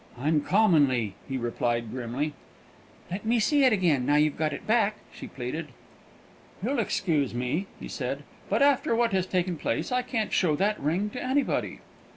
"Uncommonly," he replied grimly. "Let me see it again, now you've got it back," she pleaded. "You'll excuse me," he said; "but after what has taken place, I can't show that ring to anybody."